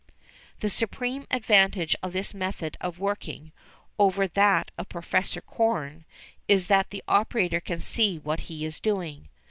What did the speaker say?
The supreme advantage of this method of working, over that of Professor Korn, is that the operator can see what he is doing.